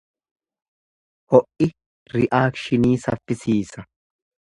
Ho'i ri'akshinii saffisiisa.